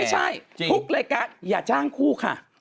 ไม่ใช่ทุกรายการอย่าจ้างคู่ค่ะ